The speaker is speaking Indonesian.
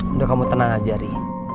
udah kamu tenang aja ari